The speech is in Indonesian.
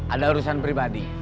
ada urusan pribadi